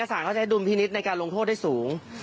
สารจะดูมพินิชในการลงโทษได้สูง